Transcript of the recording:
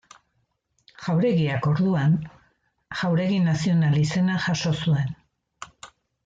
Jauregiak, orduan, Jauregi Nazional izena jaso zuen.